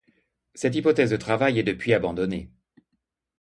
Cette hypothèse de travail est depuis abandonnée.